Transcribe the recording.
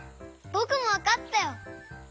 ぼくもわかったよ！